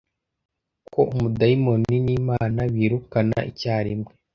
ko umudayimoni n'Imana birukana icyarimwe